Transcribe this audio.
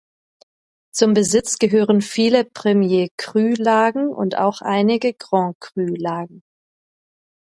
Zum Besitz gehören viele Premier Cru-Lagen und auch einige Grand Cru-Lagen.